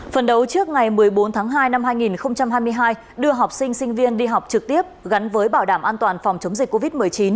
phần đấu trước ngày một mươi bốn tháng hai năm hai nghìn hai mươi hai đưa học sinh sinh viên đi học trực tiếp gắn với bảo đảm an toàn phòng chống dịch covid một mươi chín